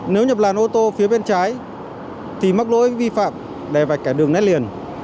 nếu nhập làn ô tô phía bên trái thì mắc lỗi vi phạm đè vạch kẻ đường nét liền